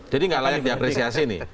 jadi tidak layak diapresiasi ini